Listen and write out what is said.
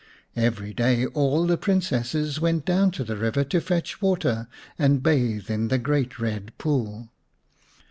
Every day all the Princesses went down to the river to fetch water and bathe in the great Ked Pool.